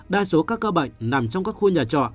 đa số các ca bệnh nằm trong các khu nhà trọ